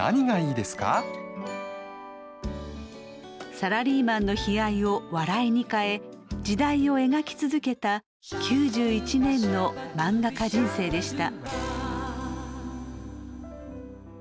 サラリーマンの悲哀を笑いに変え時代を描き続けた９１年の漫画家人生でした。